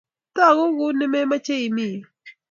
Itagu guuni memache imi yuu